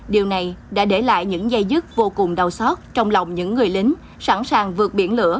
điều này đã để lại những dây dứt vô cùng đau xót trong lòng những người lính sẵn sàng vượt biển lửa